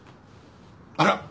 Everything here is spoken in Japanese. あら！